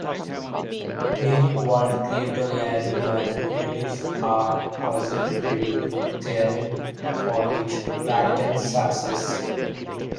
"Beanworld" creator Larry Marder credits her positive review therein for his title's success.